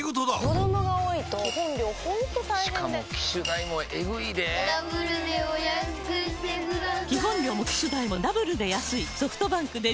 子供が多いと基本料ほんと大変でしかも機種代もエグいでぇダブルでお安くしてください